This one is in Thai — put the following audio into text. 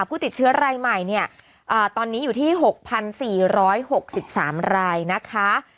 ผู้ติดเชื้อไร่ใหม่เนี่ยอ่าตอนนี้อยู่ที่หกพันสี่ร้อยหกสิบสามรายนะคะ